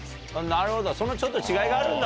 なるほどそのちょっと違いがあるんだと。